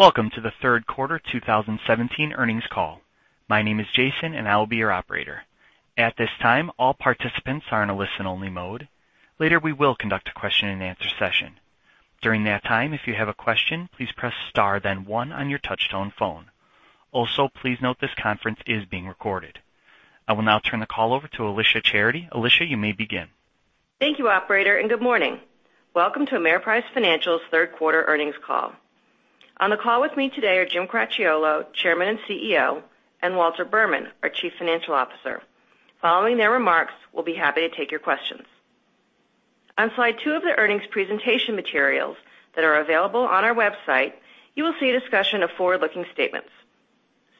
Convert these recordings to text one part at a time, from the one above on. Welcome to the third quarter 2017 earnings call. My name is Jason, and I will be your operator. At this time, all participants are in a listen-only mode. Later, we will conduct a question and answer session. During that time, if you have a question, please press star then one on your touchtone phone. Also, please note this conference is being recorded. I will now turn the call over to Alicia Charity. Alicia, you may begin. Thank you, operator, and good morning. Welcome to Ameriprise Financial's third quarter earnings call. On the call with me today are Jim Cracchiolo, Chairman and CEO, and Walter Berman, our Chief Financial Officer. Following their remarks, we'll be happy to take your questions. On slide two of the earnings presentation materials that are available on our website, you will see a discussion of forward-looking statements.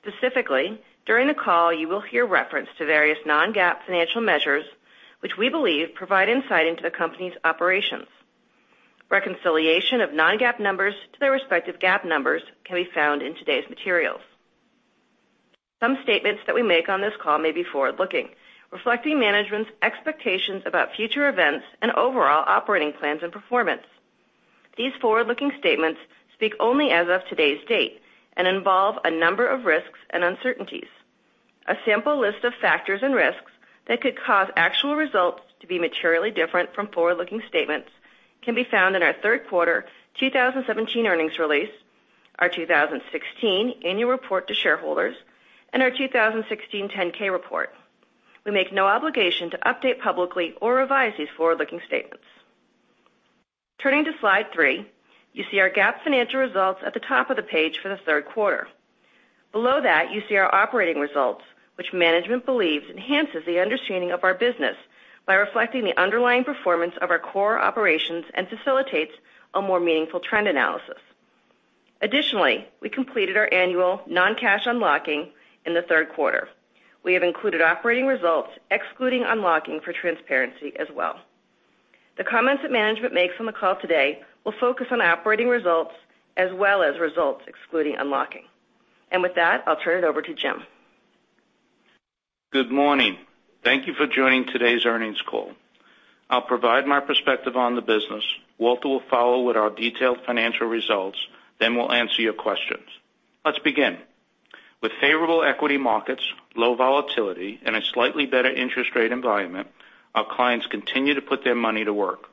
Specifically, during the call, you will hear reference to various non-GAAP financial measures which we believe provide insight into the company's operations. Reconciliation of non-GAAP numbers to their respective GAAP numbers can be found in today's materials. Some statements that we make on this call may be forward-looking, reflecting management's expectations about future events and overall operating plans and performance. These forward-looking statements speak only as of today's date and involve a number of risks and uncertainties. A sample list of factors and risks that could cause actual results to be materially different from forward-looking statements can be found in our third quarter 2017 earnings release, our 2016 Annual Report to Shareholders, and our 2016 10-K report. We make no obligation to update publicly or revise these forward-looking statements. Turning to slide three, you see our GAAP financial results at the top of the page for the third quarter. Below that, you see our operating results, which management believes enhances the understanding of our business by reflecting the underlying performance of our core operations and facilitates a more meaningful trend analysis. Additionally, we completed our annual non-cash unlocking in the third quarter. We have included operating results, excluding unlocking, for transparency as well. The comments that management makes on the call today will focus on operating results as well as results excluding unlocking. With that, I'll turn it over to Jim. Good morning. Thank you for joining today's earnings call. I'll provide my perspective on the business. Walter will follow with our detailed financial results. Then we'll answer your questions. Let's begin. With favorable equity markets, low volatility, and a slightly better interest rate environment, our clients continue to put their money to work.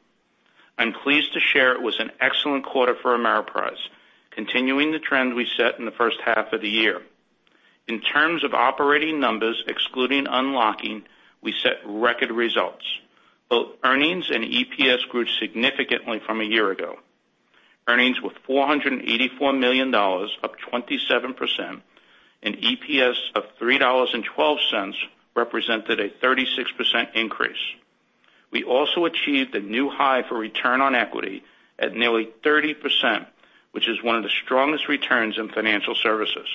I'm pleased to share it was an excellent quarter for Ameriprise, continuing the trend we set in the first half of the year. In terms of operating numbers, excluding unlocking, we set record results. Both earnings and EPS grew significantly from a year ago. Earnings were $484 million, up 27%, and EPS of $3.12 represented a 36% increase. We also achieved a new high for return on equity at nearly 30%, which is one of the strongest returns in financial services.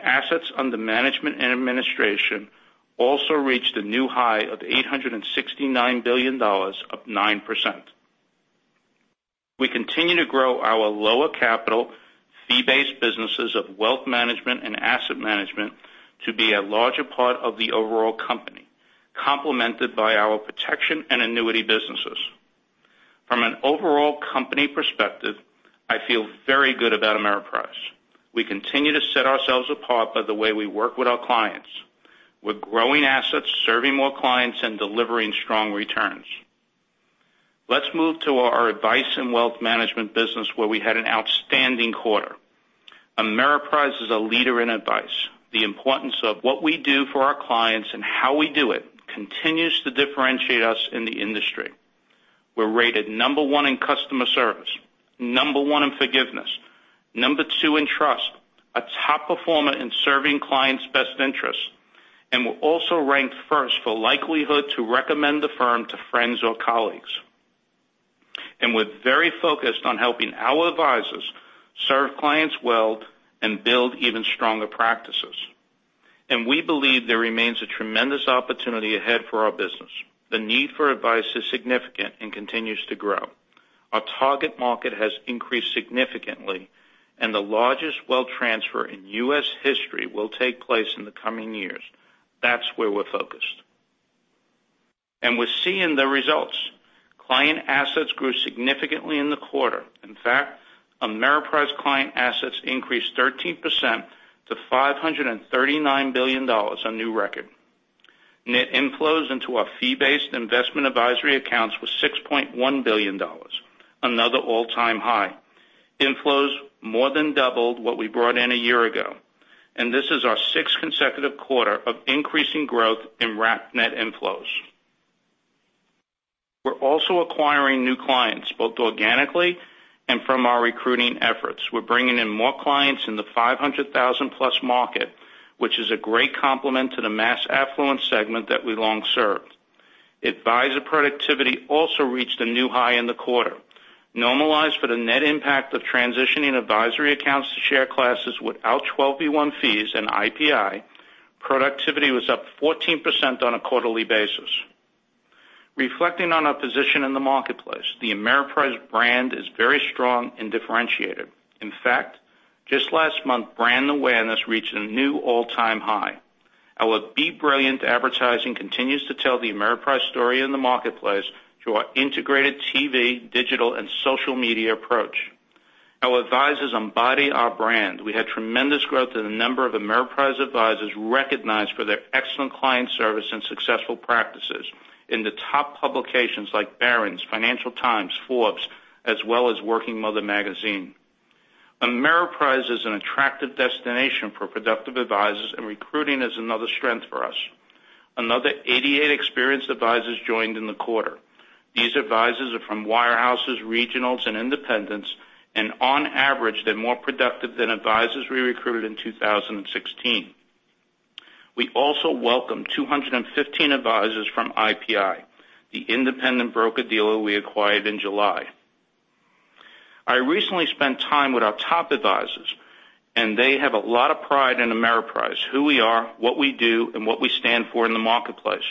Assets under management and administration also reached a new high of $869 billion, up 9%. We continue to grow our lower capital fee-based businesses of wealth management and asset management to be a larger part of the overall company, complemented by our protection and annuity businesses. From an overall company perspective, I feel very good about Ameriprise. We continue to set ourselves apart by the way we work with our clients. We're growing assets, serving more clients, and delivering strong returns. Let's move to our advice and wealth management business where we had an outstanding quarter. Ameriprise is a leader in advice. The importance of what we do for our clients and how we do it continues to differentiate us in the industry. We're rated number one in customer service, number one in forgiveness, number two in trust, a top performer in serving clients' best interests. We're also ranked first for likelihood to recommend the firm to friends or colleagues. We're very focused on helping our advisors serve clients well and build even stronger practices. We believe there remains a tremendous opportunity ahead for our business. The need for advice is significant and continues to grow. Our target market has increased significantly. The largest wealth transfer in U.S. history will take place in the coming years. That's where we're focused. We're seeing the results. Client assets grew significantly in the quarter. In fact, Ameriprise client assets increased 13% to $539 billion, a new record. Net inflows into our fee-based investment advisory accounts was $6.1 billion, another all-time high. Inflows more than doubled what we brought in a year ago. This is our sixth consecutive quarter of increasing growth in wrap net inflows. We're also acquiring new clients, both organically and from our recruiting efforts. We're bringing in more clients in the 500,000-plus market, which is a great complement to the mass affluent segment that we long served. Advisor productivity also reached a new high in the quarter. Normalized for the net impact of transitioning advisory accounts to share classes without 12b-1 fees and IPI, productivity was up 14% on a quarterly basis. Reflecting on our position in the marketplace, the Ameriprise brand is very strong and differentiated. In fact, just last month, brand awareness reached a new all-time high. Our Be Brilliant advertising continues to tell the Ameriprise story in the marketplace through our integrated TV, digital, and social media approach. Our advisors embody our brand. We had tremendous growth in the number of Ameriprise advisors recognized for their excellent client service and successful practices in the top publications like Barron's, Financial Times, Forbes, as well as Working Mother Magazine. Ameriprise is an attractive destination for productive advisors, recruiting is another strength for us. Another 88 experienced advisors joined in the quarter. These advisors are from wirehouses, regionals, and independents, on average, they're more productive than advisors we recruited in 2016. We also welcomed 215 advisors from IPI, the independent broker-dealer we acquired in July. I recently spent time with our top advisors, they have a lot of pride in Ameriprise, who we are, what we do, and what we stand for in the marketplace.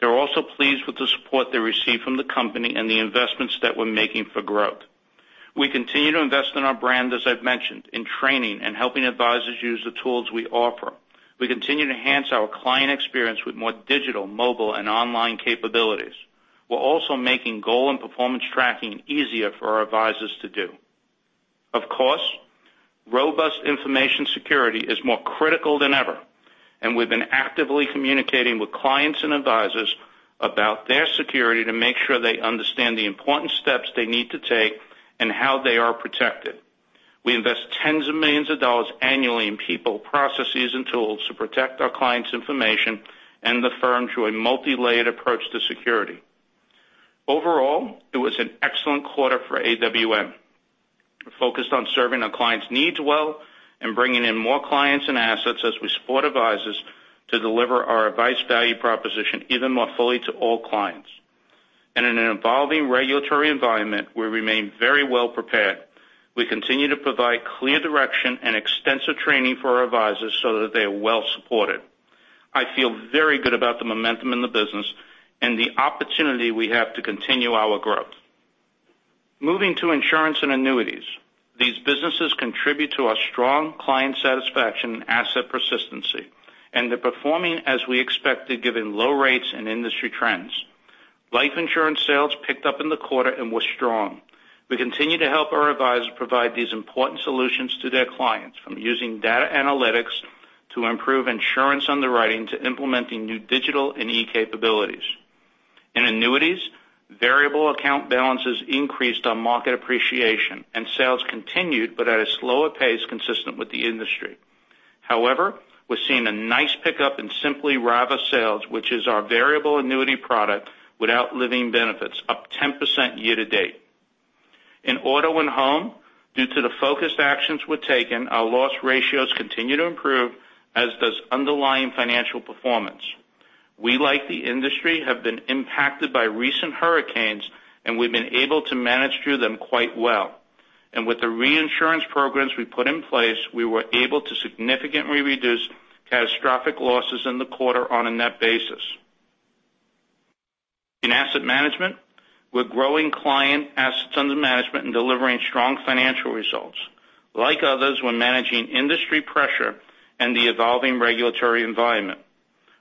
They're also pleased with the support they receive from the company and the investments that we're making for growth. We continue to invest in our brand, as I've mentioned, in training and helping advisors use the tools we offer. We continue to enhance our client experience with more digital, mobile, and online capabilities. We're also making goal and performance tracking easier for our advisors to do. Of course, robust information security is more critical than ever, we've been actively communicating with clients and advisors about their security to make sure they understand the important steps they need to take and how they are protected. We invest $tens of millions annually in people, processes, and tools to protect our clients' information and the firm through a multilayered approach to security. Overall, it was an excellent quarter for AWM. We're focused on serving our clients' needs well and bringing in more clients and assets as we support advisors to deliver our advice value proposition even more fully to all clients. In an evolving regulatory environment, we remain very well prepared. We continue to provide clear direction and extensive training for our advisors so that they are well supported. I feel very good about the momentum in the business and the opportunity we have to continue our growth. Moving to insurance and annuities. These businesses contribute to our strong client satisfaction and asset persistency, they're performing as we expected, given low rates and industry trends. Life insurance sales picked up in the quarter and were strong. We continue to help our advisors provide these important solutions to their clients, from using data analytics to improve insurance underwriting to implementing new digital and e-capabilities. In annuities, variable account balances increased on market appreciation, sales continued but at a slower pace consistent with the industry. However, we're seeing a nice pickup in Simply RIA VA sales, which is our variable annuity product without living benefits, up 10% year-to-date. In auto and home, due to the focused actions we've taken, our loss ratios continue to improve, as does underlying financial performance. We, like the industry, have been impacted by recent hurricanes, we've been able to manage through them quite well. With the reinsurance programs we put in place, we were able to significantly reduce catastrophic losses in the quarter on a net basis. In asset management, we're growing client assets under management and delivering strong financial results. Like others, we're managing industry pressure and the evolving regulatory environment.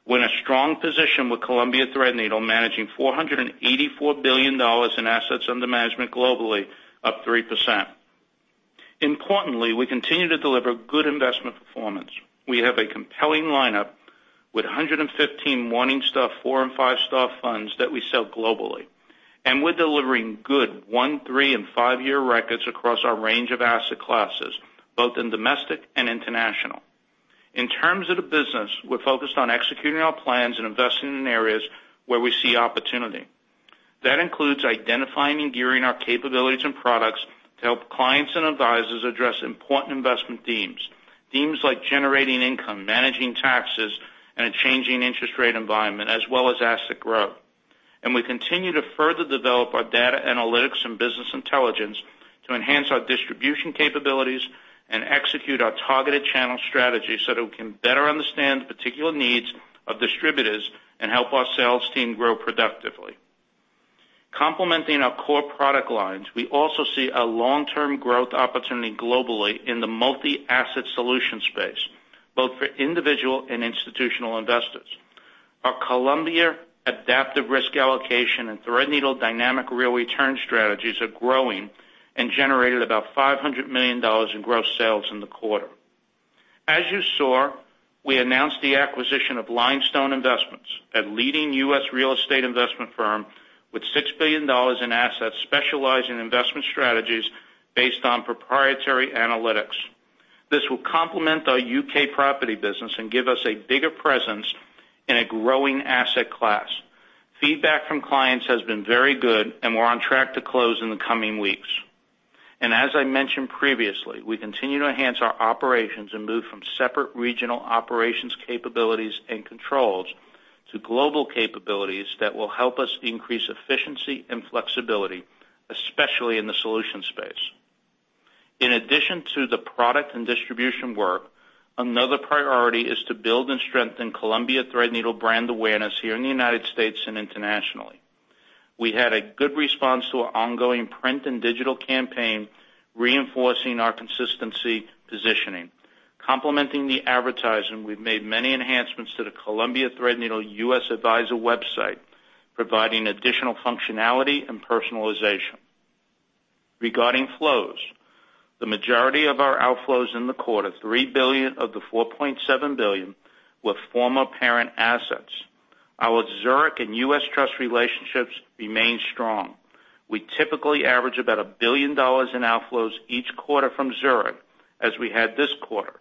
We're in a strong position with Columbia Threadneedle, managing $484 billion in assets under management globally, up 3%. Importantly, we continue to deliver good investment performance. We have a compelling lineup with 115 Morningstar four and five-star funds that we sell globally, we're delivering good one, three, and five-year records across our range of asset classes, both in domestic and international. In terms of the business, we're focused on executing our plans and investing in areas where we see opportunity. That includes identifying and gearing our capabilities and products to help clients and advisors address important investment themes. Themes like generating income, managing taxes in a changing interest rate environment, as well as asset growth. We continue to further develop our data analytics and business intelligence to enhance our distribution capabilities and execute our targeted channel strategy so that we can better understand the particular needs of distributors and help our sales team grow productively. Complementing our core product lines, we also see a long-term growth opportunity globally in the multi-asset solution space, both for individual and institutional investors. Our Columbia Adaptive Risk Allocation and Threadneedle Dynamic Real Return strategies are growing and generated about $500 million in gross sales in the quarter. As you saw, we announced the acquisition of Lionstone Investments, a leading U.S. real estate investment firm with $6 billion in assets specializing in investment strategies based on proprietary analytics. This will complement our U.K. property business and give us a bigger presence in a growing asset class. Feedback from clients has been very good. We're on track to close in the coming weeks. As I mentioned previously, we continue to enhance our operations and move from separate regional operations capabilities and controls to global capabilities that will help us increase efficiency and flexibility, especially in the solution space. In addition to the product and distribution work, another priority is to build and strengthen Columbia Threadneedle brand awareness here in the United States and internationally. We had a good response to our ongoing print and digital campaign, reinforcing our consistency positioning. Complementing the advertising, we've made many enhancements to the Columbia Threadneedle U.S. Advisor website, providing additional functionality and personalization. Regarding flows, the majority of our outflows in the quarter, $3 billion of the $4.7 billion, were former parent assets. Our Zurich and U.S. Trust relationships remain strong. We typically average about $1 billion in outflows each quarter from Zurich, as we had this quarter.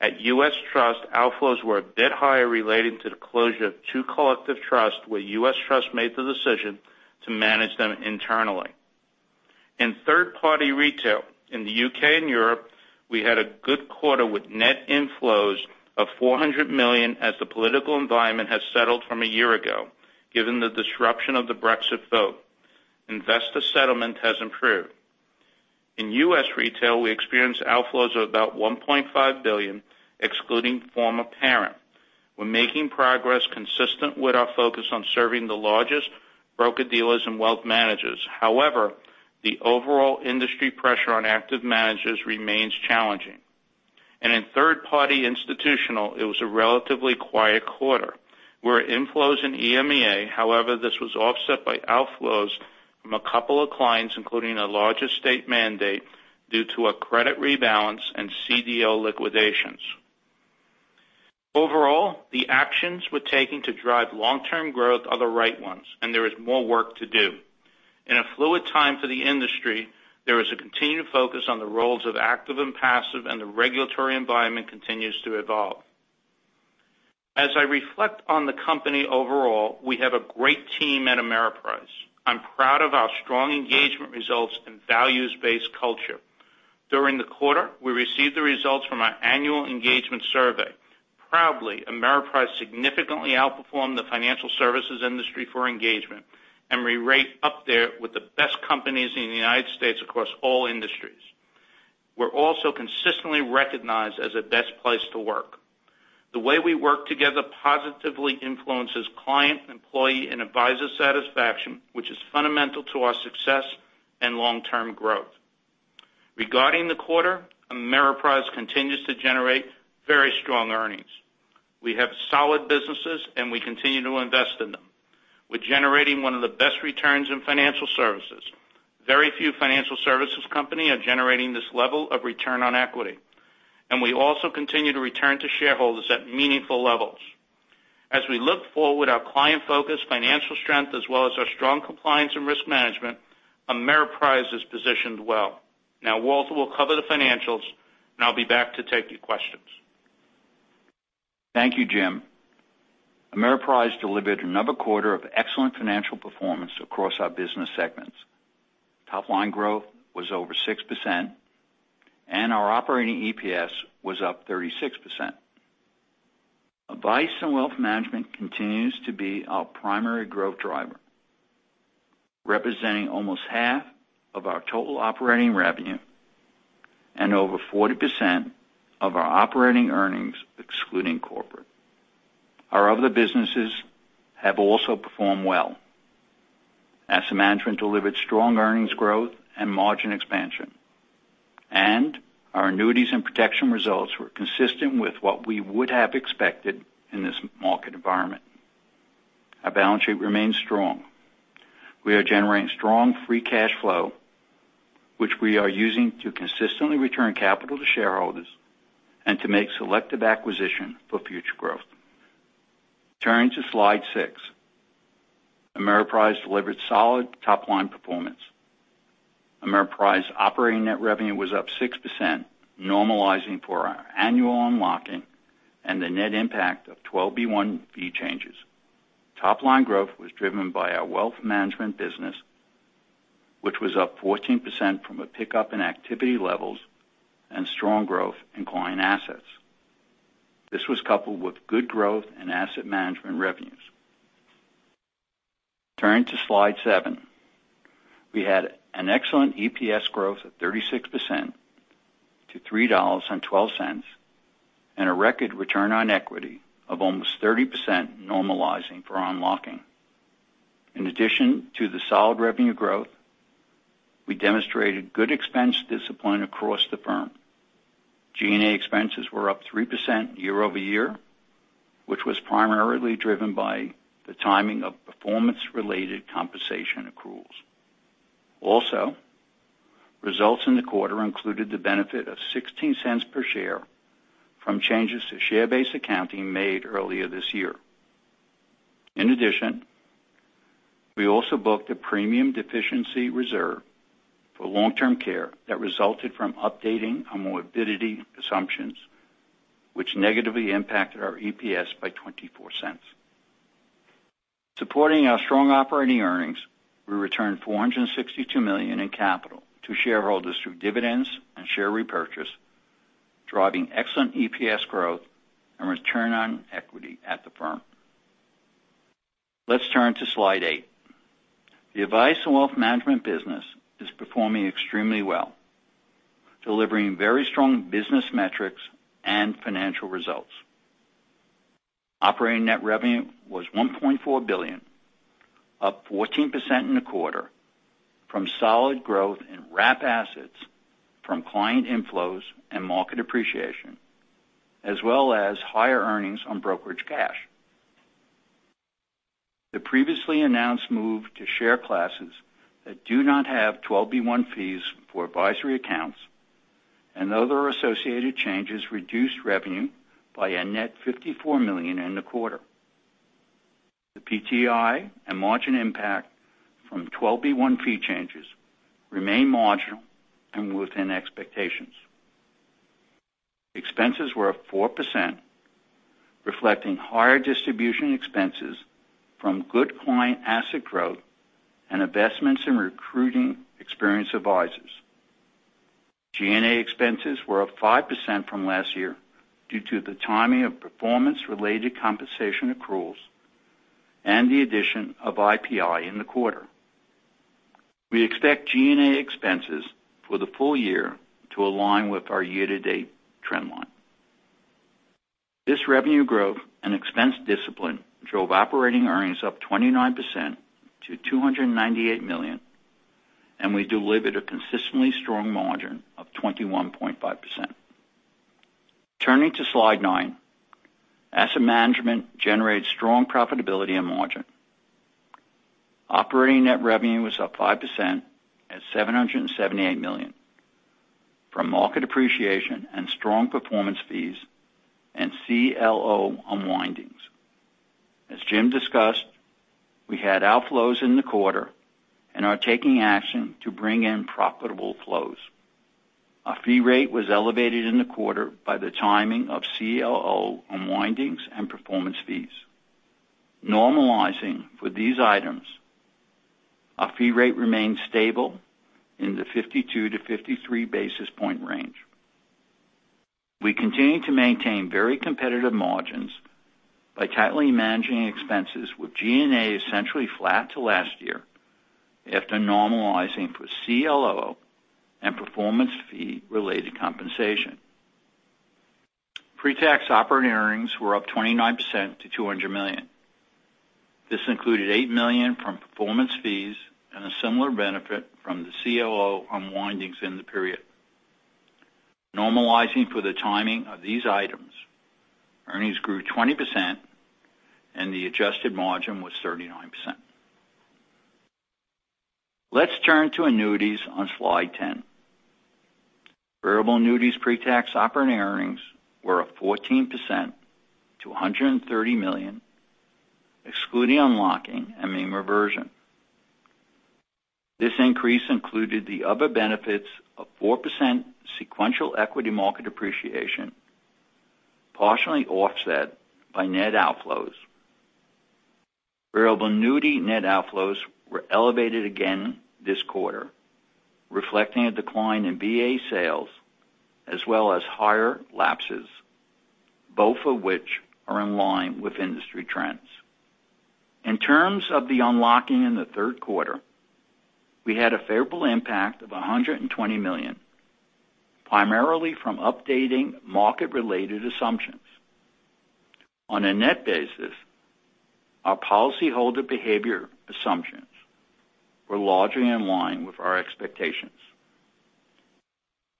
At U.S. Trust, outflows were a bit higher relating to the closure of two collective trusts where U.S. Trust made the decision to manage them internally. In third-party retail in the U.K. and Europe, we had a good quarter with net inflows of $400 million as the political environment has settled from a year ago, given the disruption of the Brexit vote. Investor settlement has improved. In U.S. retail, we experienced outflows of about $1.5 billion, excluding former parent. We're making progress consistent with our focus on serving the largest broker-dealers and wealth managers. However, the overall industry pressure on active managers remains challenging. In third-party institutional, it was a relatively quiet quarter. We're at inflows in EMEA, however, this was offset by outflows from a couple of clients, including a larger state mandate due to a credit rebalance and CLO liquidations. Overall, the actions we're taking to drive long-term growth are the right ones, and there is more work to do. In a fluid time for the industry, there is a continued focus on the roles of active and passive. The regulatory environment continues to evolve. As I reflect on the company overall, we have a great team at Ameriprise. I'm proud of our strong engagement results and values-based culture. During the quarter, we received the results from our annual engagement survey. Proudly, Ameriprise significantly outperformed the financial services industry for engagement. We rate up there with the best companies in the United States across all industries. We are also consistently recognized as a best place to work. The way we work together positively influences client, employee, and advisor satisfaction, which is fundamental to our success and long-term growth. Regarding the quarter, Ameriprise continues to generate very strong earnings. We have solid businesses. We continue to invest in them. We are generating one of the best returns in financial services. Very few financial services company are generating this level of return on equity. We also continue to return to shareholders at meaningful levels. As we look forward, our client focus, financial strength, as well as our strong compliance and risk management, Ameriprise is positioned well. Now Walter will cover the financials. I will be back to take your questions. Thank you, Jim. Ameriprise delivered another quarter of excellent financial performance across our business segments. Top line growth was over 6%. Our operating EPS was up 36%. Advice and Wealth Management continues to be our primary growth driver, representing almost half of our total operating revenue and over 40% of our operating earnings, excluding corporate. Our other businesses have also performed well. Asset management delivered strong earnings growth and margin expansion. Our annuities and protection results were consistent with what we would have expected in this market environment. Our balance sheet remains strong. We are generating strong free cash flow, which we are using to consistently return capital to shareholders and to make selective acquisition for future growth. Turning to slide six, Ameriprise delivered solid top-line performance. Ameriprise operating net revenue was up 6%, normalizing for our annual unlocking and the net impact of 12b-1 fee changes. Top-line growth was driven by our wealth management business, which was up 14% from a pickup in activity levels and strong growth in client assets. This was coupled with good growth in asset management revenues. Turning to slide seven. We had an excellent EPS growth of 36% to $3.12. A record return on equity of almost 30%, normalizing for unlocking. In addition to the solid revenue growth, we demonstrated good expense discipline across the firm. G&A expenses were up 3% year-over-year, which was primarily driven by the timing of performance-related compensation accruals. Also, results in the quarter included the benefit of $0.16 per share from changes to share-based accounting made earlier this year. In addition, we also booked a premium deficiency reserve for long-term care that resulted from updating our morbidity assumptions, which negatively impacted our EPS by $0.24. Supporting our strong operating earnings, we returned $462 million in capital to shareholders through dividends and share repurchase, driving excellent EPS growth and return on equity at the firm. Let's turn to slide eight. The Advice and Wealth Management business is performing extremely well, delivering very strong business metrics and financial results. Operating net revenue was $1.4 billion, up 14% in the quarter from solid growth in wrap assets from client inflows and market appreciation, as well as higher earnings on brokerage cash. The previously announced move to share classes that do not have 12b-1 fees for advisory accounts and other associated changes reduced revenue by a net $54 million in the quarter. The PTI and margin impact from 12b-1 fee changes remain marginal and within expectations. Expenses were up 4%, reflecting higher distribution expenses from good client asset growth and investments in recruiting experienced advisors. G&A expenses were up 5% from last year due to the timing of performance-related compensation accruals and the addition of IPI in the quarter. We expect G&A expenses for the full year to align with our year-to-date trend line. This revenue growth and expense discipline drove operating earnings up 29% to $298 million. We delivered a consistently strong margin of 21.5%. Turning to slide nine. Asset management generated strong profitability and margin. Operating net revenue was up 5% at $778 million from market appreciation and strong performance fees and CLO unwindings. Jim discussed, we had outflows in the quarter and are taking action to bring in profitable flows. Our fee rate was elevated in the quarter by the timing of CLO unwindings and performance fees. Normalizing for these items, our fee rate remained stable in the 52-53 basis point range. We continue to maintain very competitive margins by tightly managing expenses with G&A essentially flat to last year after normalizing for CLO and performance fee-related compensation. Pre-tax operating earnings were up 29% to $200 million. This included $8 million from performance fees and a similar benefit from the CLO unwindings in the period. Normalizing for the timing of these items, earnings grew 20% and the adjusted margin was 39%. Let's turn to annuities on slide 10. Variable annuities pre-tax operating earnings were up 14% to $130 million, excluding unlocking and mean reversion. This increase included the other benefits of 4% sequential equity market appreciation, partially offset by net outflows. Variable annuity net outflows were elevated again this quarter, reflecting a decline in VA sales as well as higher lapses, both of which are in line with industry trends. In terms of the unlocking in the third quarter, we had a favorable impact of $120 million, primarily from updating market-related assumptions. On a net basis, our policyholder behavior assumptions were largely in line with our expectations.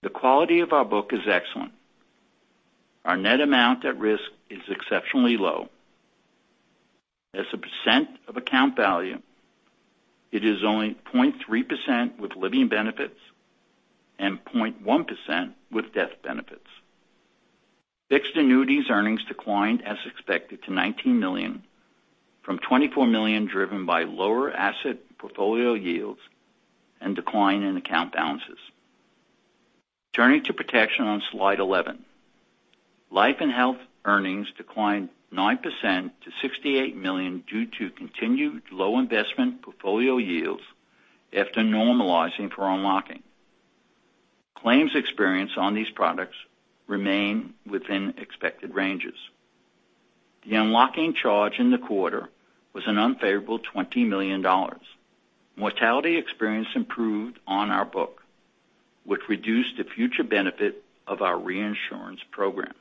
The quality of our book is excellent. Our net amount at risk is exceptionally low. As a percent of account value, it is only 0.3% with living benefits and 0.1% with death benefits. Fixed annuities earnings declined as expected to $19 million from $24 million, driven by lower asset portfolio yields and decline in account balances. Turning to protection on slide 11. Life and Health earnings declined 9% to $68 million due to continued low investment portfolio yields after normalizing for unlocking. Claims experience on these products remain within expected ranges. The unlocking charge in the quarter was an unfavorable $20 million. Mortality experience improved on our book, which reduced the future benefit of our reinsurance program.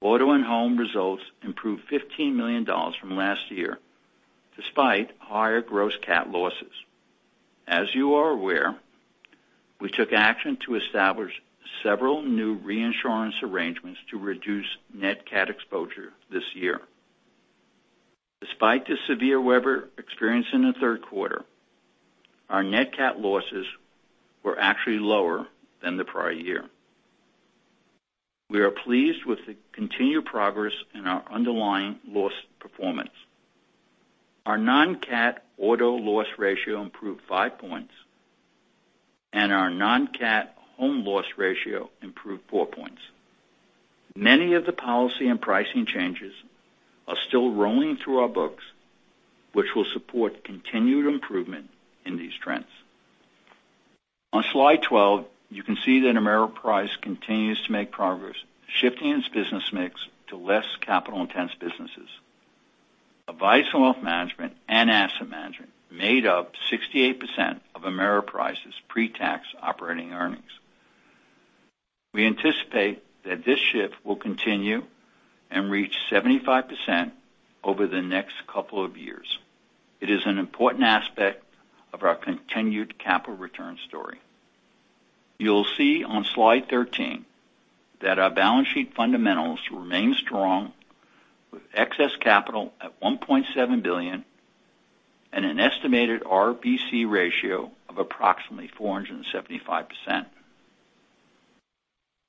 Auto and Home results improved $15 million from last year, despite higher gross cat losses. As you are aware, we took action to establish several new reinsurance arrangements to reduce net cat exposure this year. Despite the severe weather experienced in the third quarter, our net cat losses were actually lower than the prior year. We are pleased with the continued progress in our underlying loss performance. Our non-cat auto loss ratio improved 5 points, and our non-cat home loss ratio improved 4 points. Many of the policy and pricing changes are still rolling through our books, which will support continued improvement in these trends. On slide 12, you can see that Ameriprise continues to make progress shifting its business mix to less capital-intensive businesses. Advice on wealth management and asset management made up 68% of Ameriprise's pre-tax operating earnings. We anticipate that this shift will continue and reach 75% over the next couple of years. It is an important aspect of our continued capital return story. You'll see on slide 13 that our balance sheet fundamentals remain strong with excess capital at $1.7 billion and an estimated RBC ratio of approximately 475%.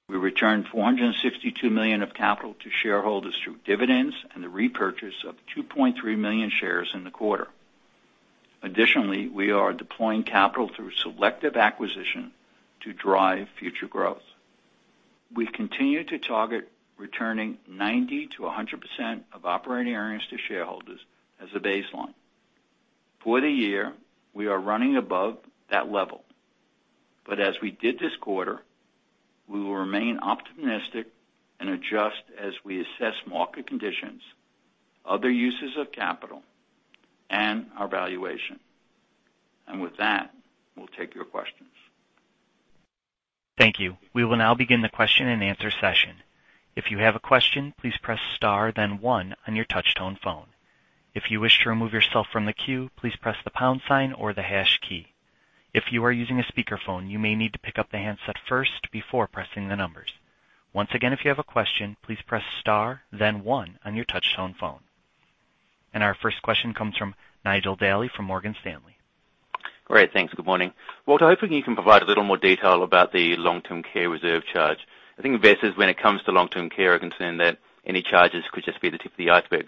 We returned $462 million of capital to shareholders through dividends and the repurchase of 2.3 million shares in the quarter. Additionally, we are deploying capital through selective acquisition to drive future growth. We've continued to target returning 90%-100% of operating earnings to shareholders as a baseline. For the year, we are running above that level. As we did this quarter, we will remain optimistic and adjust as we assess market conditions, other uses of capital, and our valuation. With that, we'll take your questions. Thank you. We will now begin the question and answer session. If you have a question, please press star then one on your touch tone phone. If you wish to remove yourself from the queue, please press the pound sign or the hash key. If you are using a speakerphone, you may need to pick up the handset first before pressing the numbers. Once again, if you have a question, please press star then one on your touch tone phone. Our first question comes from Nigel Dally from Morgan Stanley. Great. Thanks. Good morning. Walt, hopefully you can provide a little more detail about the long-term care reserve charge. I think investors, when it comes to long-term care, are concerned that any charges could just be the tip of the iceberg.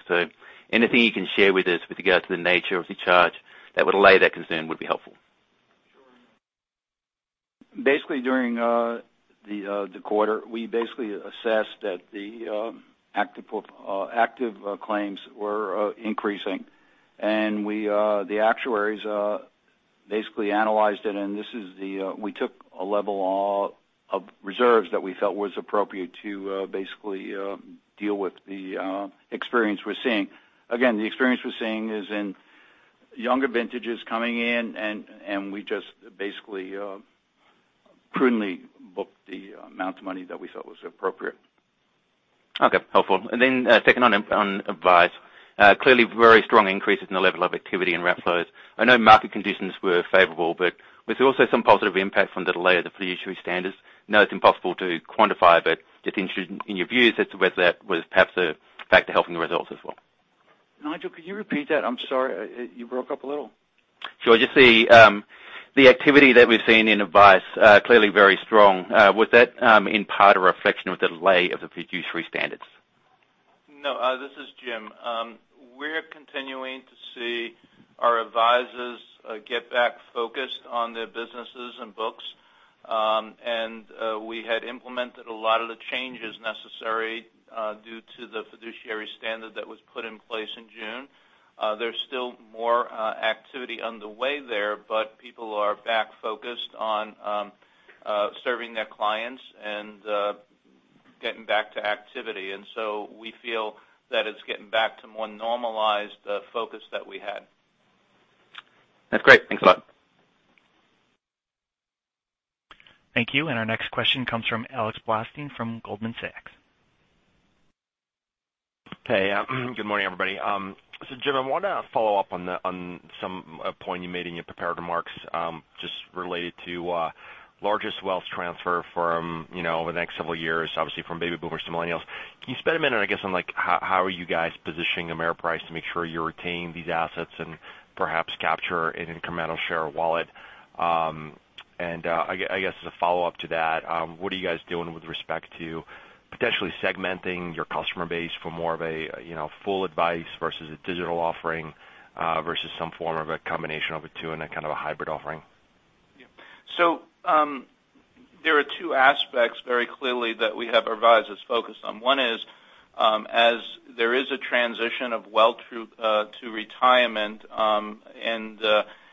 Anything you can share with us with regard to the nature of the charge that would allay that concern would be helpful. Sure. Basically, during the quarter, we basically assessed that the active claims were increasing. The actuaries basically analyzed it, and we took a level of reserves that we felt was appropriate to basically deal with the experience we're seeing. Again, the experience we're seeing is in younger vintages coming in, and we just basically prudently booked the amount of money that we felt was appropriate. Okay. Helpful. Then, second on advice. Clearly very strong increases in the level of activity and wrap flows. I know market conditions were favorable, but was there also some positive impact from the delay of the fiduciary standards? I know it's impossible to quantify, but just interested in your views as to whether that was perhaps a factor helping the results as well. Nigel, could you repeat that? I'm sorry. You broke up a little. Sure. Just the activity that we've seen in advice, clearly very strong. Was that in part a reflection of the delay of the fiduciary standards? No, this is Jim. We're continuing to see our advisors get back focused on their businesses and books. We had implemented a lot of the changes necessary due to the fiduciary standard that was put in place in June. There's still more activity underway there, people are back focused on serving their clients and getting back to activity. We feel that it's getting back to more normalized focus that we had. That's great. Thanks a lot. Thank you. Our next question comes from Alex Blostein from Goldman Sachs. Hey. Good morning, everybody. Jim, I want to follow up on some point you made in your prepared remarks, just related to largest wealth transfer from the next several years, obviously from baby boomers to millennials. Can you spend a minute on how are you guys positioning Ameriprise to make sure you're retaining these assets and perhaps capture an incremental share of wallet? I guess as a follow-up to that, what are you guys doing with respect to potentially segmenting your customer base for more of a full advice versus a digital offering versus some form of a combination of the two in a kind of a hybrid offering? There are two aspects very clearly that we have our advisors focused on. One is, as there is a transition of wealth to retirement, and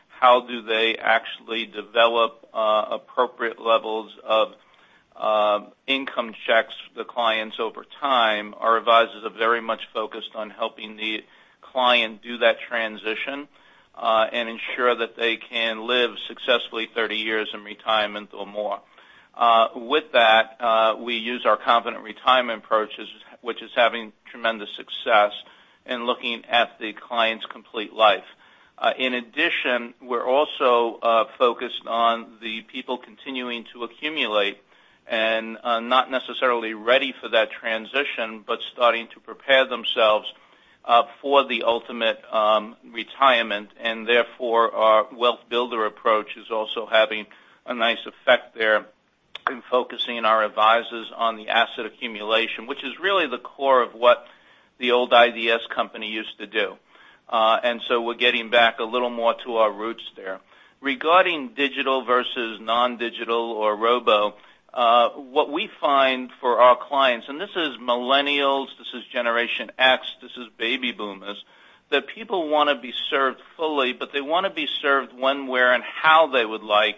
how do they actually develop appropriate levels of income checks the clients over time, our advisors are very much focused on helping the client do that transition, and ensure that they can live successfully 30 years in retirement or more. With that, we use our Confident Retirement approaches, which is having tremendous success in looking at the client's complete life. In addition, we're also focused on the people continuing to accumulate and not necessarily ready for that transition, but starting to prepare themselves for the ultimate retirement. Therefore, our wealth builder approach is also having a nice effect there in focusing our advisors on the asset accumulation, which is really the core of what the old IDS company used to do. We're getting back a little more to our roots there. Regarding digital versus non-digital or robo, what we find for our clients, and this is millennials, this is Generation X, this is Baby Boomers, that people want to be served fully, but they want to be served when, where, and how they would like.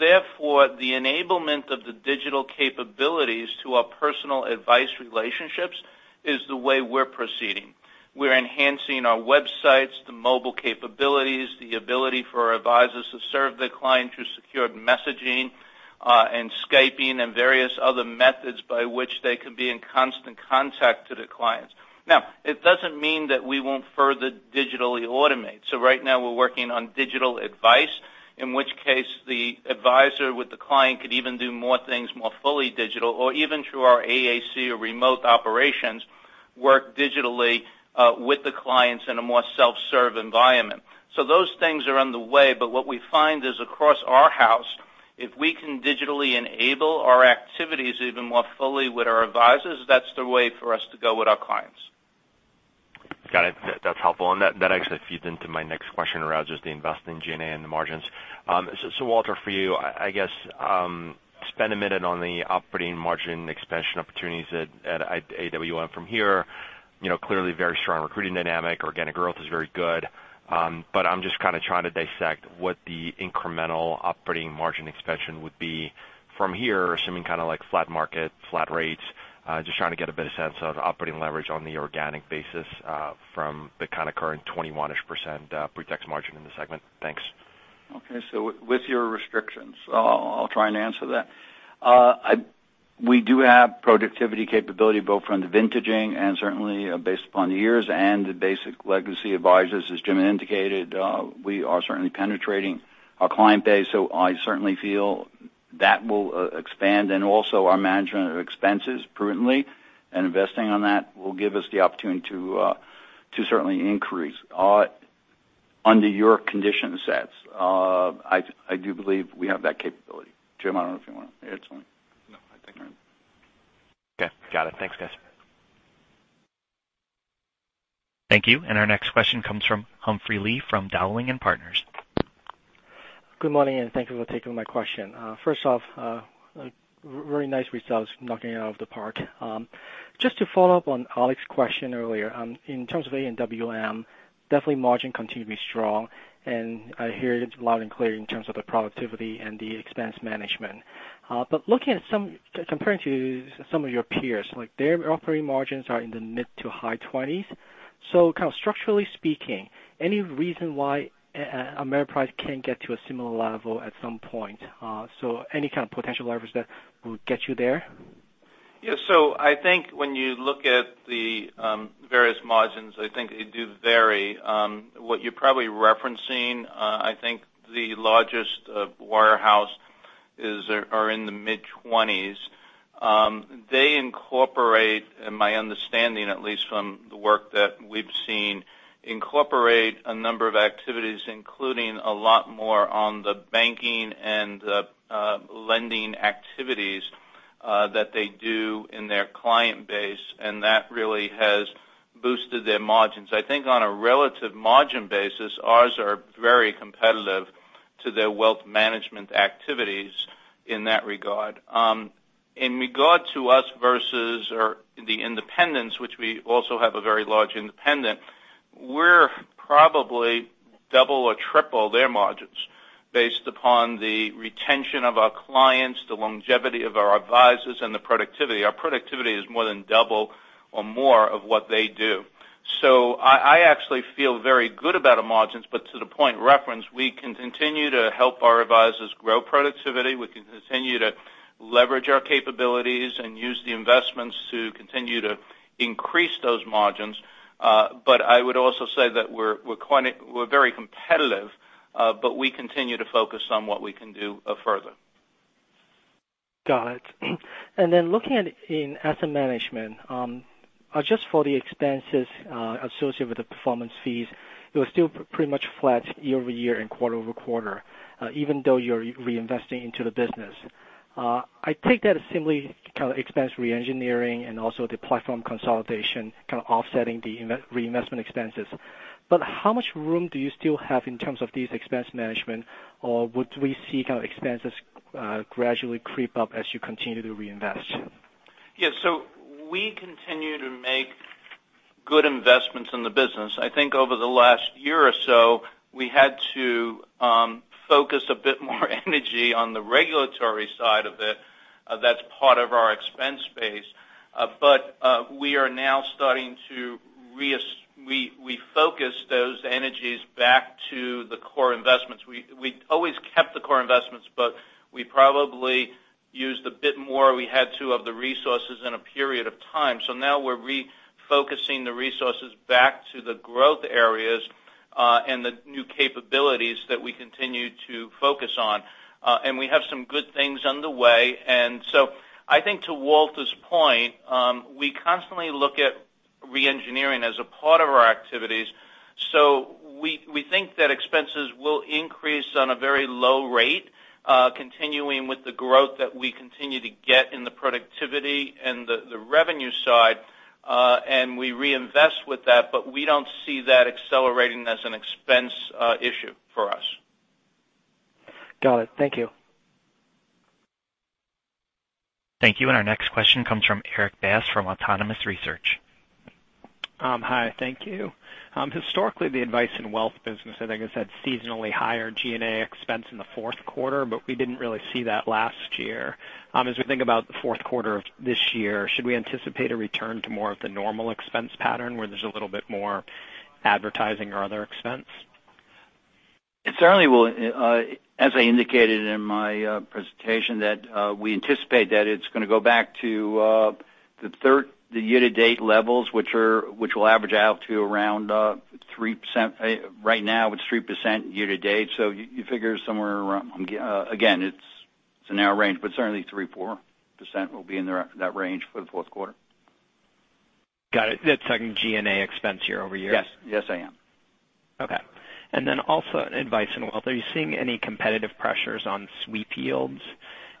Therefore, the enablement of the digital capabilities to our personal advice relationships is the way we're proceeding. We're enhancing our websites, the mobile capabilities, the ability for our advisors to serve their clients through secured messaging and Skyping and various other methods by which they can be in constant contact to their clients. Now, it doesn't mean that we won't further digitally automate. Right now, we're working on digital advice, in which case the advisor with the client could even do more things more fully digital, or even through our AAC or remote operations, work digitally with the clients in a more self-serve environment. Those things are on the way, but what we find is across our house, if we can digitally enable our activities even more fully with our advisors, that's the way for us to go with our clients. Got it. That's helpful. That actually feeds into my next question around just the investing G&A and the margins. Walter, for you, I guess, spend a minute on the operating margin expansion opportunities at AWM from here. Clearly very strong recruiting dynamic. Organic growth is very good. I'm just kind of trying to dissect what the incremental operating margin expansion would be from here, assuming kind of like flat market, flat rates. Just trying to get a better sense of operating leverage on the organic basis from the kind of current 21% pre-tax margin in the segment. Thanks. Okay. With your restrictions, I'll try and answer that. We do have productivity capability both from the vintaging and certainly based upon the years and the basic legacy advisors, as Jim indicated. We are certainly penetrating our client base. I certainly feel that will expand and also our management of expenses prudently and investing on that will give us the opportunity to certainly increase. Under your condition sets, I do believe we have that capability. Jim, I don't know if you want to add something. No, I think we're all right. Okay. Got it. Thanks, guys. Thank you. Our next question comes from Humphrey Lee from Dowling & Partners. Good morning, and thank you for taking my question. First off, very nice results. Knocking it out of the park. Just to follow up on Alex's question earlier, in terms of AWM, definitely margin continue to be strong, and I hear it loud and clear in terms of the productivity and the expense management. Comparing to some of your peers, their operating margins are in the mid-to-high 20s. Kind of structurally speaking, any reason why Ameriprise can't get to a similar level at some point? Any kind of potential leverage that will get you there? Yeah. I think when you look at the various margins, I think they do vary. What you're probably referencing, I think the largest wirehouse are in the mid-20s. They incorporate, in my understanding at least from the work that we've seen, incorporate a number of activities, including a lot more on the banking and the lending activities that they do in their client base, and that really has boosted their margins. I think on a relative margin basis, ours are very competitive to their wealth management activities in that regard. In regard to us versus the independents, which we also have a very large independent, we're probably double or triple their margins based upon the retention of our clients, the longevity of our advisors, and the productivity. Our productivity is more than double or more of what they do. I actually feel very good about our margins. To the point referenced, we can continue to help our advisors grow productivity. We can continue to leverage our capabilities and use the investments to continue to increase those margins. I would also say that we're very competitive, but we continue to focus on what we can do further. Got it. Looking in asset management, just for the expenses associated with the performance fees, it was still pretty much flat year-over-year and quarter-over-quarter, even though you're reinvesting into the business. I take that as simply kind of expense re-engineering and also the platform consolidation kind of offsetting the reinvestment expenses. How much room do you still have in terms of these expense management, or would we see kind of expenses gradually creep up as you continue to reinvest? Yeah. We continue to make good investments in the business. I think over the last year or so, we had to focus a bit more energy on the regulatory side of it. That's part of our expense base. We are now starting to refocus those energies back to the core investments. We always kept the core investments, but we probably used a bit more, we had to, of the resources in a period of time. Now we're refocusing the resources back to the growth areas and the new capabilities that we continue to focus on. We have some good things underway. I think to Walter's point, we constantly look at re-engineering as a part of our activities. We think that expenses will increase on a very low rate continuing with the growth that we continue to get in the productivity and the revenue side. We reinvest with that, we don't see that accelerating as an expense issue for us. Got it. Thank you. Thank you. Our next question comes from Erik Bass from Autonomous Research. Hi. Thank you. Historically, the Advice in Wealth business, I think I said seasonally higher G&A expense in the fourth quarter, but we didn't really see that last year. As we think about the fourth quarter of this year, should we anticipate a return to more of the normal expense pattern where there's a little bit more advertising or other expense? It certainly will. As I indicated in my presentation that we anticipate that it's going to go back to the year-to-date levels, which will average out to around 3%. Right now, it's 3% year-to-date. You figure somewhere around, again, it's a narrow range, but certainly 3%-4% will be in that range for the fourth quarter. Got it. That's talking G&A expense year-over-year? Yes. Yes, I am. Okay. Also in Advice and Wealth, are you seeing any competitive pressures on sweep yields?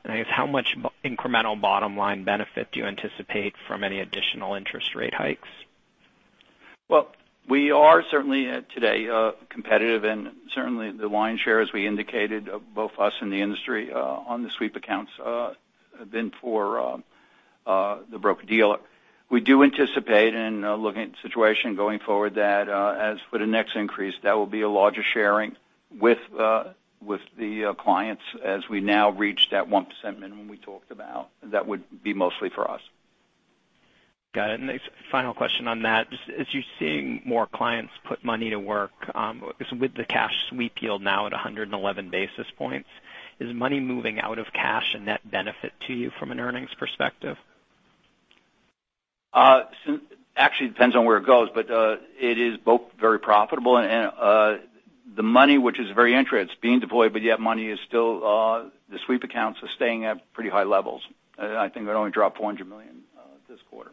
I guess how much incremental bottom-line benefit do you anticipate from any additional interest rate hikes? Well, we are certainly today competitive, and certainly the lion's share, as we indicated, of both us and the industry on the sweep accounts have been for the broker-dealer. We do anticipate in looking at the situation going forward, that as for the next increase, that will be a larger sharing with the clients as we now reach that 1% minimum we talked about. That would be mostly for us. Got it. The final question on that, as you're seeing more clients put money to work with the cash sweep yield now at 111 basis points, is money moving out of cash a net benefit to you from an earnings perspective? Actually, it depends on where it goes, but it is both very profitable. The money, which is very interesting, it's being deployed, but yet money is still the sweep accounts are staying at pretty high levels. I think it only dropped $400 million this quarter.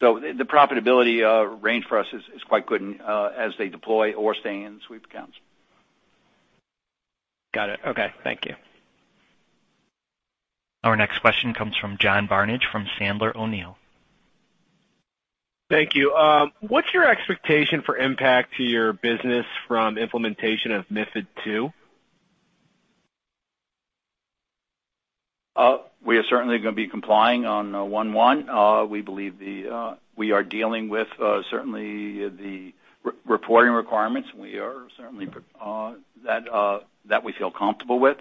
The profitability range for us is quite good as they deploy or stay in sweep accounts. Got it. Okay. Thank you. Our next question comes from John Barnidge from Sandler O'Neill. Thank you. What's your expectation for impact to your business from implementation of MiFID II? We are certainly going to be complying on 1/1. We believe we are dealing with certainly the reporting requirements that we feel comfortable with.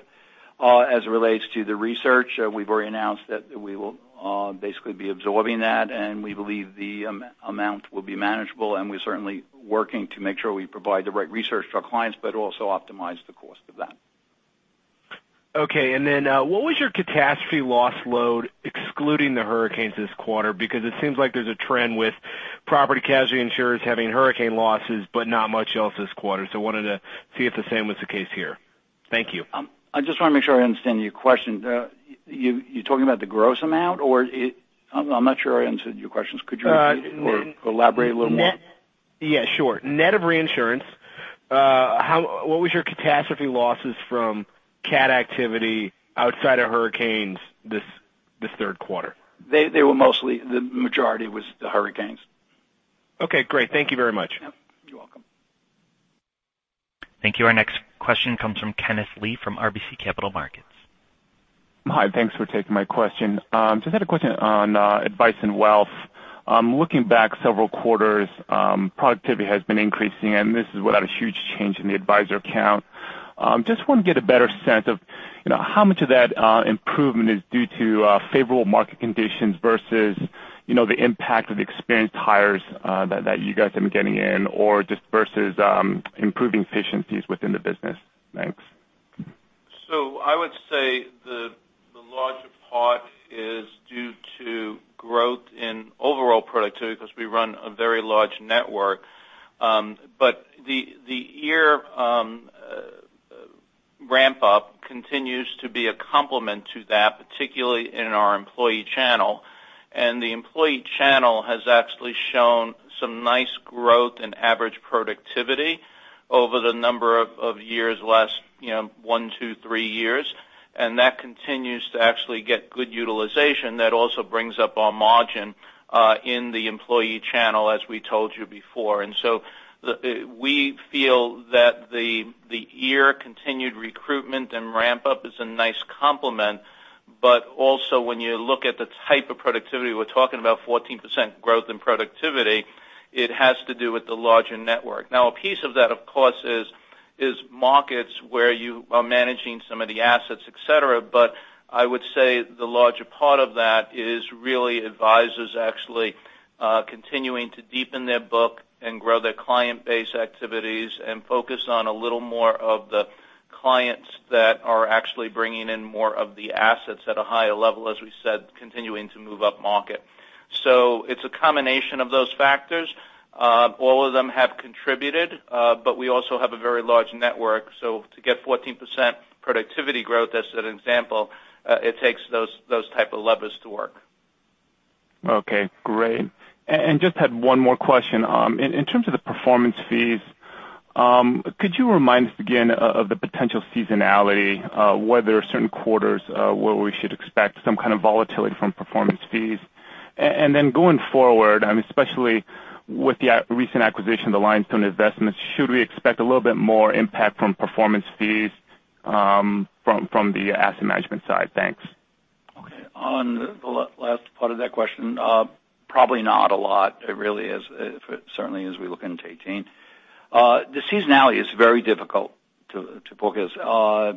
As it relates to the research, we've already announced that we will basically be absorbing that, and we believe the amount will be manageable, and we're certainly working to make sure we provide the right research to our clients but also optimize the cost of that. Okay. Then what was your catastrophe loss load excluding the hurricanes this quarter? It seems like there's a trend with property casualty insurers having hurricane losses, but not much else this quarter. I wanted to see if the same was the case here. Thank you. I just want to make sure I understand your question. You're talking about the gross amount, or I'm not sure I answered your questions. Could you elaborate a little more? Yeah, sure. Net of reinsurance, what was your catastrophe losses from cat activity outside of hurricanes this third quarter? They were mostly, the majority was the hurricanes. Okay, great. Thank you very much. Yep. You're welcome. Thank you. Our next question comes from Kenneth Lee from RBC Capital Markets. Hi, thanks for taking my question. I just had a question on Advice and Wealth. Looking back several quarters, productivity has been increasing, and this is without a huge change in the advisor count. Just want to get a better sense of how much of that improvement is due to favorable market conditions versus the impact of experienced hires that you guys have been getting in, or just versus improving efficiencies within the business. Thanks. I would say the larger part is due to growth in overall productivity because we run a very large network. The year ramp-up continues to be a complement to that, particularly in our employee channel. The employee channel has actually shown some nice growth in average productivity over the number of years, last one, two, three years, and that continues to actually get good utilization. That also brings up our margin in the employee channel, as we told you before. We feel that the year continued recruitment and ramp-up is a nice complement. When you look at the type of productivity, we are talking about 14% growth in productivity, it has to do with the larger network. Now, a piece of that, of course, is markets where you are managing some of the assets, et cetera. I would say the larger part of that is really advisors actually continuing to deepen their book and grow their client base activities and focus on a little more of the clients that are actually bringing in more of the assets at a higher level, as we said, continuing to move up market. It's a combination of those factors. All of them have contributed. We also have a very large network. To get 14% productivity growth, as an example, it takes those type of levers to work. Okay, great. Just had one more question. In terms of the performance fees, could you remind us again of the potential seasonality, whether certain quarters where we should expect some kind of volatility from performance fees? Going forward, especially with the recent acquisition of Lionstone Investments, should we expect a little bit more impact from performance fees from the asset management side? Thanks. Okay. On the last part of that question, probably not a lot. It really is, certainly as we look into 2018. The seasonality is very difficult to focus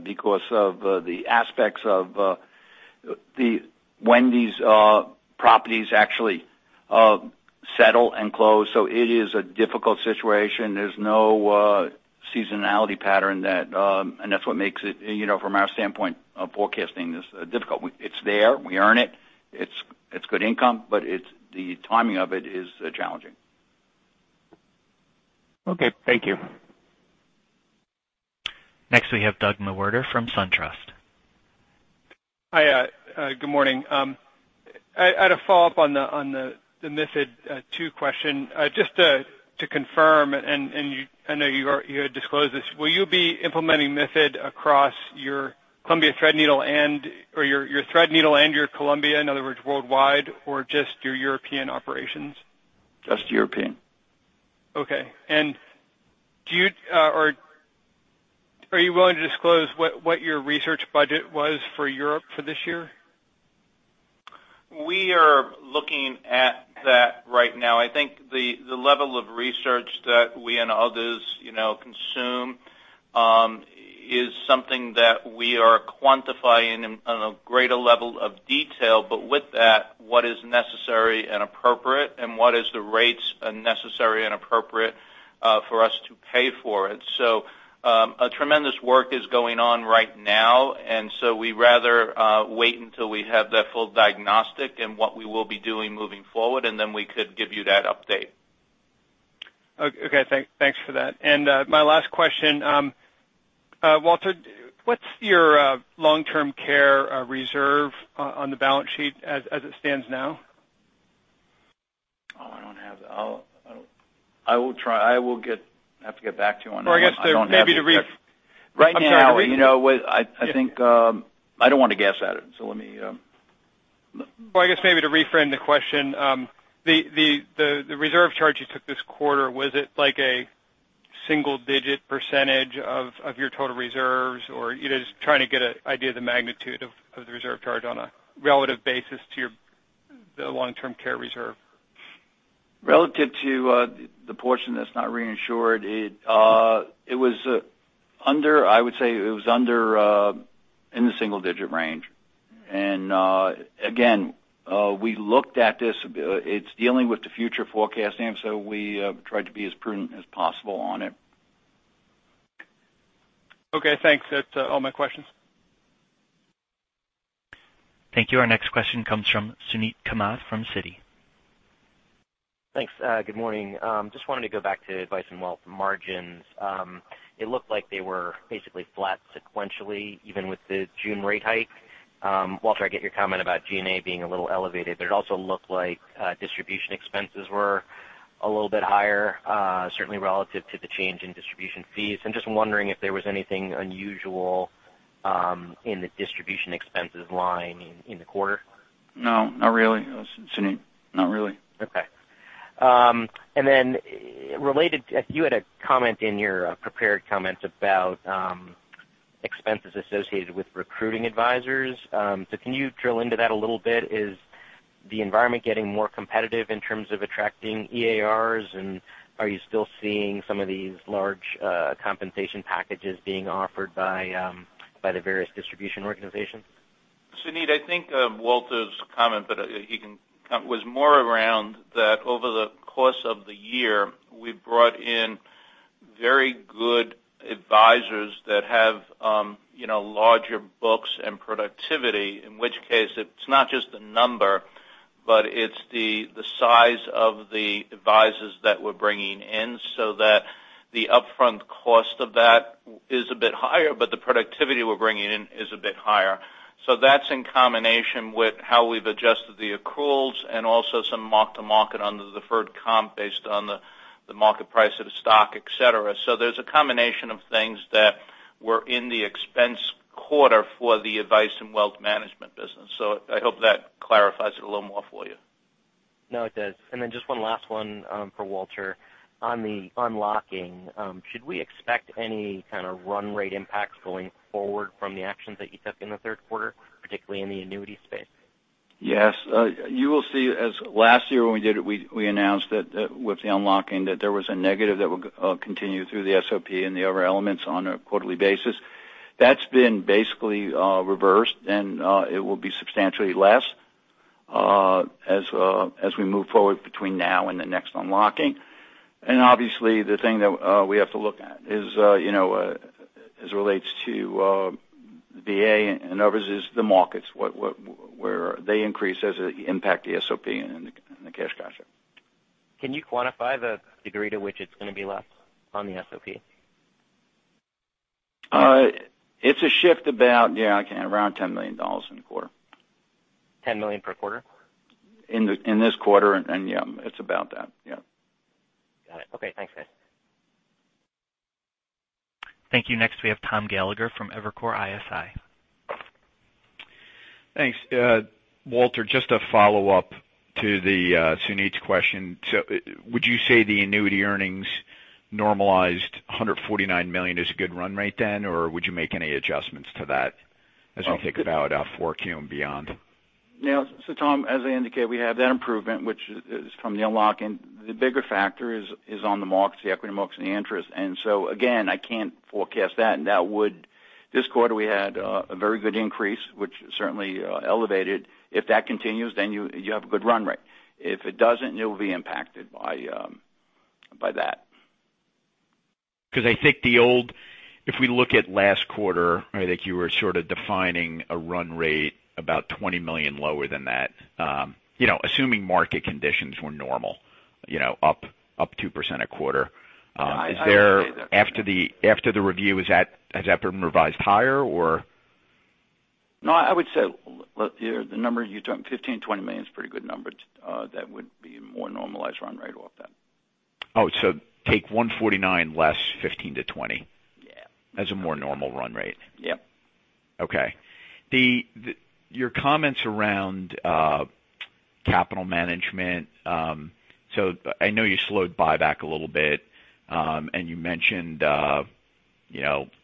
because of the aspects of the wind-down's properties actually settle and close, so it is a difficult situation. There's no seasonality pattern, and that's what makes it, from our standpoint of forecasting, is difficult. It's there, we earn it's good income, but the timing of it is challenging. Okay, thank you. Next, we have Douglas Mewhirter from SunTrust. Hi, good morning. I had a follow-up on the MiFID II question. Just to confirm, and I know you had disclosed this, will you be implementing MiFID across your Threadneedle and your Columbia, in other words, worldwide, or just your European operations? Just European. Okay. Are you willing to disclose what your research budget was for Europe for this year? We are looking at that right now. I think the level of research that we and others consume is something that we are quantifying on a greater level of detail. With that, what is necessary and appropriate, and what is the rates necessary and appropriate for us to pay for it? A tremendous work is going on right now, we'd rather wait until we have that full diagnostic in what we will be doing moving forward, then we could give you that update. Okay. Thanks for that. My last question. Walter, what's your long-term care reserve on the balance sheet as it stands now? I don't have that. I will have to get back to you on that one. I guess maybe to Right now, I think I don't want to guess at it, let me Well, I guess maybe to reframe the question, the reserve charge you took this quarter, was it like a single-digit percentage of your total reserves, just trying to get an idea of the magnitude of the reserve charge on a relative basis to the long-term care reserve. Relative to the portion that's not reinsured, I would say it was in the single-digit range. Again, we looked at this. It's dealing with the future forecasting, we tried to be as prudent as possible on it. Okay, thanks. That's all my questions. Thank you. Our next question comes from Suneet Kamath from Citi. Thanks. Good morning. Just wanted to go back to advice and wealth margins. It looked like they were basically flat sequentially, even with the June rate hike. Walter, I get your comment about G&A being a little elevated, but it also looked like distribution expenses were a little bit higher, certainly relative to the change in distribution fees. I'm just wondering if there was anything unusual in the distribution expenses line in the quarter. No, not really, Suneet. Not really. Okay. Then you had a comment in your prepared comments about expenses associated with recruiting advisors. Can you drill into that a little bit? Is the environment getting more competitive in terms of attracting RIAs? Are you still seeing some of these large compensation packages being offered by the various distribution organizations? Suneet, I think Walter's comment was more around that over the course of the year, we've brought in very good advisors that have larger books and productivity, in which case, it's not just the number, but it's the size of the advisors that we're bringing in, so that the upfront cost of that is a bit higher, but the productivity we're bringing in is a bit higher. So that's in combination with how we've adjusted the accruals and also some mark-to-market under the deferred comp based on the market price of the stock, et cetera. So there's a combination of things that were in the expense quarter for the advice and wealth management business. So I hope that clarifies it a little more for you. No, it does. And then just one last one for Walter. On the unlocking, should we expect any kind of run rate impacts going forward from the actions that you took in the third quarter, particularly in the annuity space? Yes. You will see as last year when we did it, we announced that with the unlocking, that there was a negative that will continue through the SOP and the other elements on a quarterly basis. That's been basically reversed, and it will be substantially less as we move forward between now and the next unlocking. Obviously, the thing that we have to look at as it relates to VA and others is the markets, where they increase as they impact the SOP and the cash posture. Can you quantify the degree to which it's going to be less on the SOP? It's a shift about, yeah, around $10 million in the quarter. $10 million per quarter? In this quarter, and yeah, it's about that. Yeah. Got it. Okay, thanks, guys. Thank you. Next, we have Thomas Gallagher from Evercore ISI. Thanks. Walter, just a follow-up to Suneet's question. Would you say the annuity earnings normalized $149 million is a good run rate then, or would you make any adjustments to that as we think about our forecast and beyond? Tom, as I indicated, we have that improvement, which is from the unlock, and the bigger factor is on the markets, the equity markets and the interest. Again, I can't forecast that. This quarter, we had a very good increase, which certainly elevated. If that continues, then you have a good run rate. If it doesn't, it will be impacted by that. I think if we look at last quarter, I think you were sort of defining a run rate about $20 million lower than that. Assuming market conditions were normal, up 2% a quarter. Yeah. I would say that. After the review, has that been revised higher or No, I would say the number you're talking, $15 million-$20 million is a pretty good number. That would be a more normalized run rate off that. Oh, take $149 less $15-$20. Yeah. That's a more normal run rate. Yep. Okay. Your comments around capital management. I know you slowed buyback a little bit. You mentioned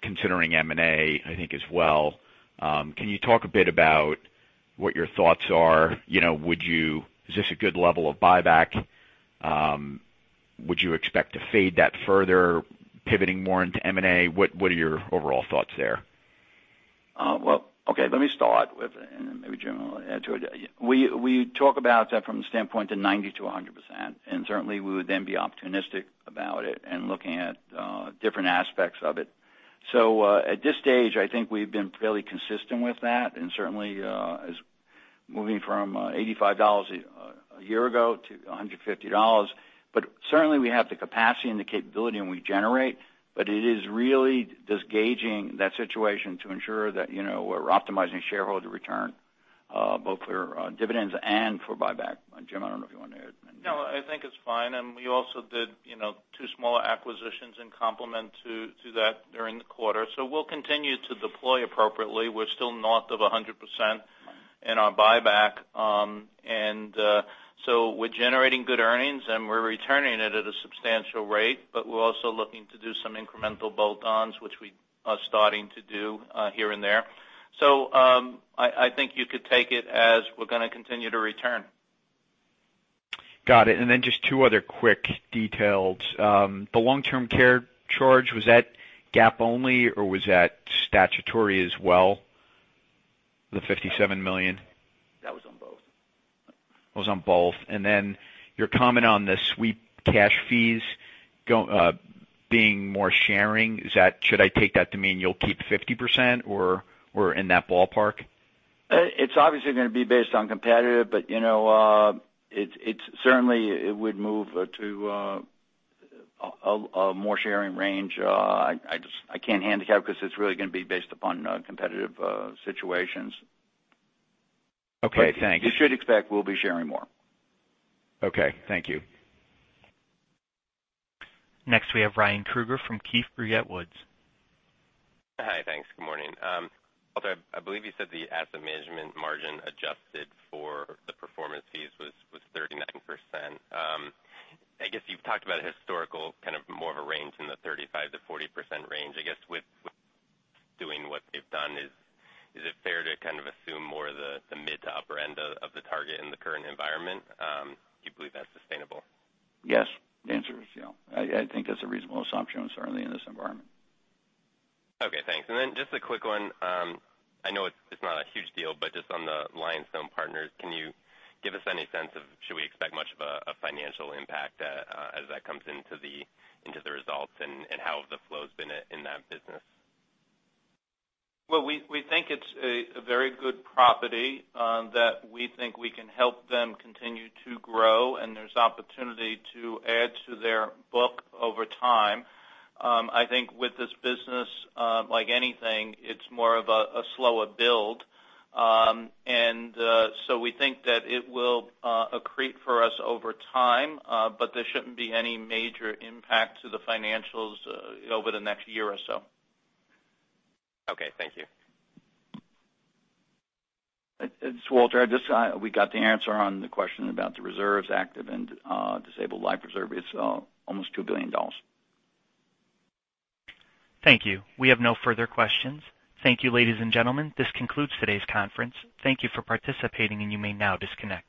considering M&A, I think, as well. Can you talk a bit about what your thoughts are? Is this a good level of buyback? Would you expect to fade that further, pivoting more into M&A? What are your overall thoughts there? Well, okay, let me start with, and maybe Jim will add to it. We talk about that from the standpoint of 90%-100%, and certainly we would then be opportunistic about it and looking at different aspects of it. At this stage, I think we've been fairly consistent with that and certainly as moving from $85 a year ago to $150. Certainly we have the capacity and the capability, and we generate, but it is really just gauging that situation to ensure that we're optimizing shareholder return, both for dividends and for buyback. Jim, I don't know if you want to add anything. No, I think it's fine. We also did two small acquisitions in complement to that during the quarter. We'll continue to deploy appropriately. We're still north of 100% in our buyback. We're generating good earnings, and we're returning it at a substantial rate, but we're also looking to do some incremental bolt-ons, which we are starting to do here and there. I think you could take it as we're going to continue to return. Got it. Just two other quick details. The long-term care charge, was that GAAP only, or was that statutory as well? The $57 million. That was on both. Was on both. Your comment on the sweep cash fees being more sharing. Should I take that to mean you'll keep 50% or in that ballpark? It's obviously going to be based on competitive, certainly, it would move to a more sharing range. I can't handicap because it's really going to be based upon competitive situations. Okay, thanks. You should expect we'll be sharing more. Okay, thank you. Next, we have Ryan Krueger from Keefe, Bruyette & Woods. Hi. Thanks. Good morning. Walter, I believe you said the asset management margin adjusted for the performance fees was 39%. I guess you've talked about historical kind of more of a range in the 35%-40% range. I guess with doing what they've done, is it fair to kind of assume more of the mid to upper end of the target in the current environment? Do you believe that's sustainable? Yes. The answer is yeah. I think that's a reasonable assumption, certainly in this environment. Okay, thanks. Then just a quick one. I know it's not a huge deal, but just on the Lionstone Investments, can you give us any sense of should we expect much of a financial impact as that comes into the results and how have the flows been in that business? Well, we think it's a very good property that we think we can help them continue to grow and there's opportunity to add to their book over time. I think with this business, like anything, it's more of a slower build. We think that it will accrete for us over time, but there shouldn't be any major impact to the financials over the next year or so. Okay, thank you. It's Walter. We got the answer on the question about the reserves, active and disabled life reserve is almost $2 billion. Thank you. We have no further questions. Thank you, ladies and gentlemen. This concludes today's conference. Thank you for participating, you may now disconnect.